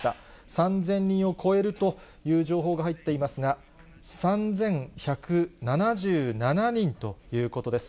３０００人を超えるという情報が入っていますが、３１７７人ということです。